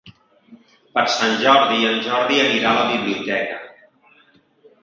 Per Sant Jordi en Jordi anirà a la biblioteca.